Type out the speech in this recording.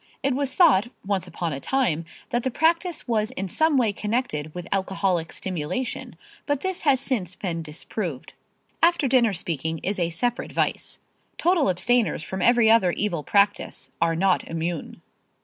It was thought, once upon a time, that the practice was in some way connected with alcoholic stimulation, but this has since been disproved. After dinner speaking is a separate vice. Total abstainers from every other evil practice are not immune.